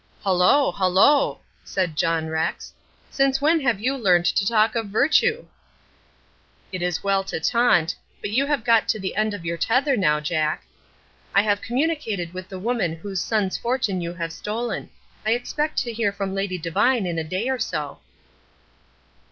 "Hullo! hullo!" said John Rex. "Since when have you learnt to talk of virtue?" "It is well to taunt, but you have got to the end of your tether now, Jack. I have communicated with the woman whose son's fortune you have stolen. I expect to hear from Lady Devine in a day or so."